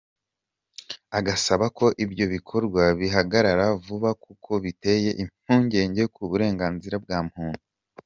Agasaba ko ibyo bikorwa bihagarara vuba kuko biteye impungenge ku burenganzira bwa muntu.